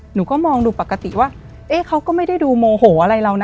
หนูก็มองดูปกติว่าเขาก็ไม่ได้ดูโมโหอะไรเรานะ